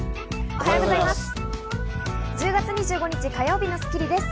おはようございます。